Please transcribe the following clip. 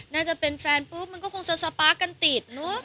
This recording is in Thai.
น่าจะเป็นแฟนปุ๊บมันก็คงสะสะปากกันติด